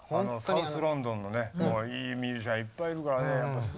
サウスロンドンにはいいミュージシャンいっぱいいるからね。